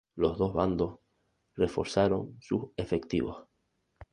Los dos bandos reforzaron sus efectivos.